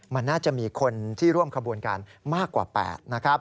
มันน่าจะมีคนที่ร่วมขบวนการมากกว่า๘นะครับ